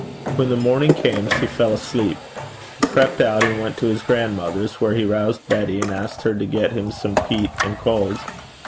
When the morning came she fell asleep. He crept out and went to his grandmother's, where he roused Betty, and asked her to get him some peat and coals.